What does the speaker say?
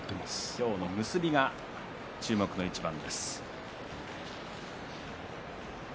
今日は結びが注目の一番です。